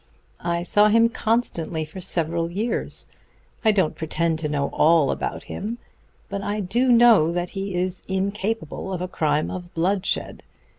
I saw him constantly for several years. I don't pretend to know all about him; but I do know that he is incapable of a crime of bloodshed.